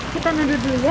kita duduk dulu ya